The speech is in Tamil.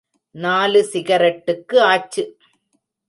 நாலு சிகரெட்டுக்கு ஆச்சு.